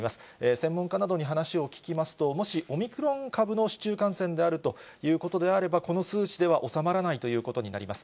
専門家などに話を聞きますと、もし、オミクロン株の市中感染であるということであれば、この数値では収まらないということになります。